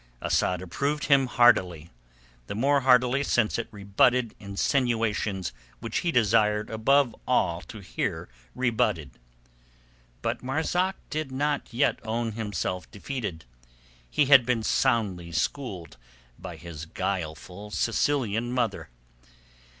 Asad approved him heartily, the more heartily since it rebutted insinuations which he desired above all to hear rebutted. But Marzak did not yet own himself defeated. He had been soundly schooled by his guileful Sicilian mother.